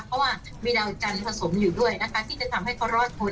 เพราะว่ามีดาวจันทร์ผสมอยู่ด้วยนะคะที่จะทำให้เขารอดพ้น